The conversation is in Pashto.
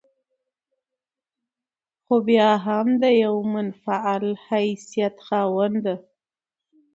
خو بيا هم د يوه منفعل حيثيت خاونده